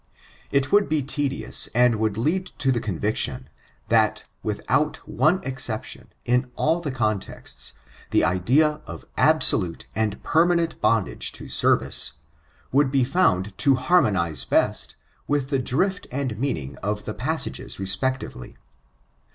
It would be tedious, and would lead to the conviction, that, without one exception, in all the contexts, the idea of absolute and permanent bondage to service, would be (bund to harmonize best, with the drift and meaning of the passages respectively.